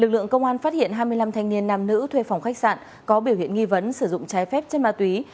lực lượng công an phát hiện hai mươi năm thanh niên nam nữ thuê phòng khách sạn có biểu hiện nghi vấn sử dụng trái phép chất ma túy